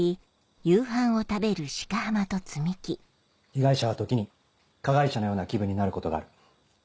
被害者は時に加害者のような気分になることがある。